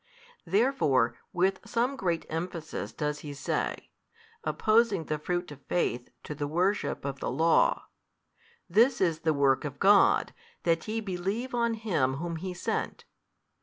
Therefore with some great emphasis does He say, opposing the fruit of faith to the worship of the Law, This is the work of God that ye believe on Him whom HE sent.